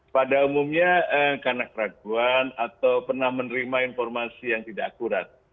pada umumnya karena keraguan atau pernah menerima informasi yang tidak akurat